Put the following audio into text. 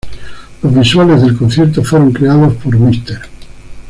Los visuales del concierto fueron creado por Mr.